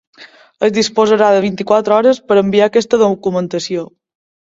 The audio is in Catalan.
Es disposarà de vint-i-quatre hores per enviar aquesta documentació.